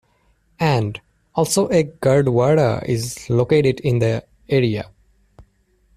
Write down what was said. And, also a Gurdwara is located in the area.